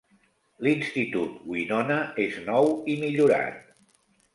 L'Institut Winona és nou i millorat.